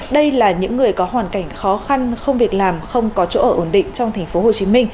đây là những người có hoàn cảnh khó khăn không việc làm không có chỗ ở ổn định trong tp hcm